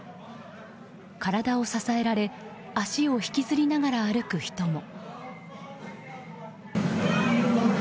体を支えられ足を引きずりながら歩く人も。